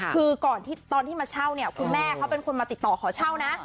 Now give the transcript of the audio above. คือก่อนที่ตอนที่มาเช่าเนี่ยคุณแม่เขาเป็นคนมาติดต่อขอเช่านะ